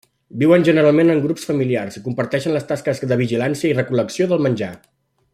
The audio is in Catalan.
Viuen generalment en grups familiars i comparteixen les tasques de vigilància i recol·lecció del menjar.